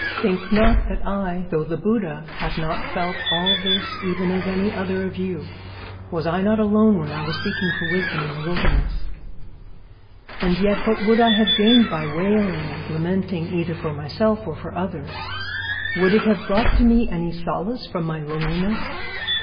Think not that I, though the Buddha, have not felt all this even as any other of you; was I not alone when I was seeking for wisdom in the wilderness? 'And yet what would I have gained by wailing and lamenting either for myself or for others? Would it have brought to me any solace from my loneliness?